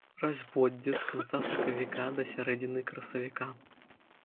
Разводдзе з канца сакавіка да сярэдзіны красавіка.